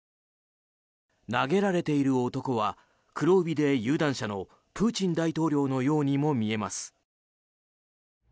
投げられている男は黒帯で有段者のプーチン大統領のようにも見えます。